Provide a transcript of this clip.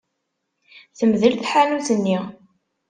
Temdel tḥanut-nni.